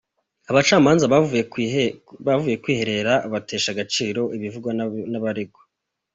Abacamanza bavuye kwiherera batesha agaciro ibivugwa n’abaregwa